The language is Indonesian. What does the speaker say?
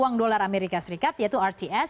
uang dolar amerika serikat yaitu rts